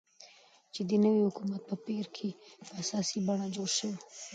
چې د نوي حكومت په پير كې په اساسي بڼه جوړ شو،